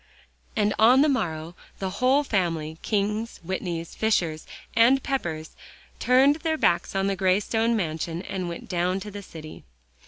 And on the morrow, the whole family, Kings, Whitneys, Fishers and Peppers, turned their backs on the gray stone mansion and went down to the city.